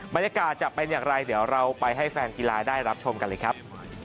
บรรยากาศจะเป็นอย่างไรเดี๋ยวเราไปให้แฟนกีฬาได้รับชมกันเลยครับ